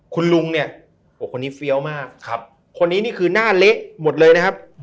คุณลุงเนี่ยคนนี้เฟี้ยวมากคนนี้นี่คือหน้าเละหมดเลยนะครับ